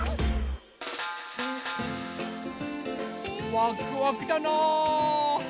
ワクワクだなぁ。